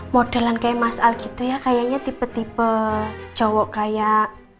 modelan kayak mas al gitu ya kayaknya tiba tiba cowok kayak